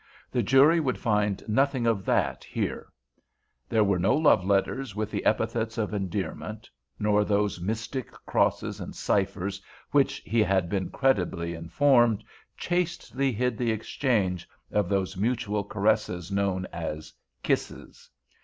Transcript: The jury would find nothing of that here, There were no love letters with the epithets of endearment, nor those mystic crosses and ciphers which, he had been credibly informed, chastely hid the exchange of those mutual caresses known as "kisses."